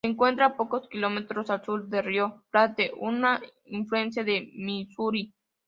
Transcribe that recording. Se encuentra pocos kilómetros al sur del río Platte, un afluente del Misuri.